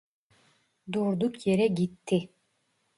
Durduk yere gitti